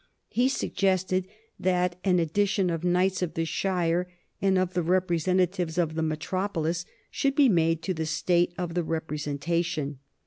He suggested that an addition of knights of the shire and of the representatives of the metropolis should be made to the state of the representation.